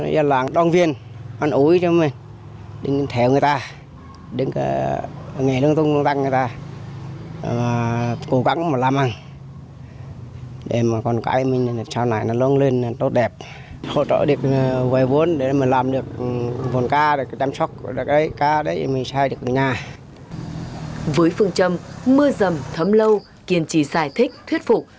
với phương trâm mưa dầm thấm lâu kiên trì giải thích thuyết phục